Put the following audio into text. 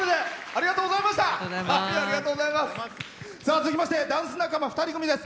続きましてダンス仲間２人組です。